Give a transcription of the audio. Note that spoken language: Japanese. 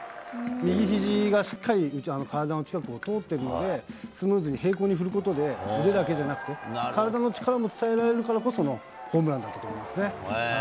右ひじがしっかり体の近くを通っているので、スムーズに平行に振ることで、腕だけじゃなくて、体の力も伝えられるからこそのホームランだったと思いますね。